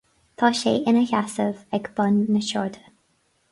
Tá sé ina sheasamh ag bun na sráide.